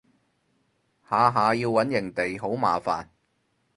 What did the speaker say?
下下要搵營地好麻煩